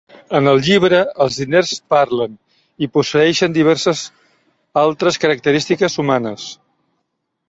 En el llibre, els diners parlen i posseeixen diverses altres característiques humanes.